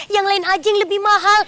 yang lain aja yang lebih mahal